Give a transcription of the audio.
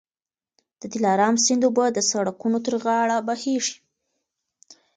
د دلارام سیند اوبه د سړکونو تر غاړه بهېږي.